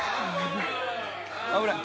危ない。